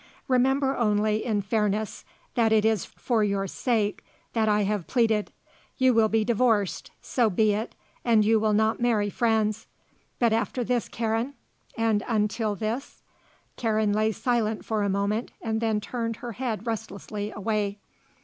Remember only, in fairness, that it is for your sake that I have pleaded. You will be divorced; so be it. And you will not marry Franz. But after this Karen? and until this?" Karen lay silent for a moment and then turned her head restlessly away.